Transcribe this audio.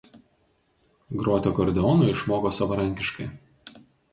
Groti akordeonu išmoko savarankiškai.